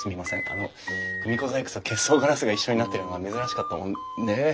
あの組子細工と結霜ガラスが一緒になってるのが珍しかったもんで。